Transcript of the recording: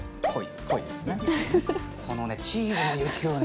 このねチーズの雪をね